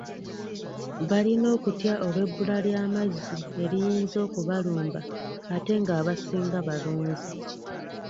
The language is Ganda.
Balina okutya olw’ebbula lya mazzi eriyinza okubalumba ate ng’abasinga balunzi.